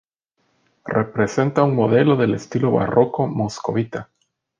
Representa un modelo del estilo barroco moscovita.